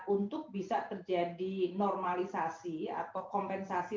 untuk bisa terjadi normalisasi atau kompensasi